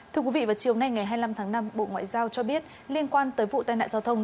thưa quý vị vào chiều nay ngày hai mươi năm tháng năm bộ ngoại giao cho biết liên quan tới vụ tai nạn giao thông